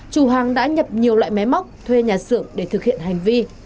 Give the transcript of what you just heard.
chủ hàng đã nhập nhiều loại máy móc thuê nhà xưởng để thực hiện hành vi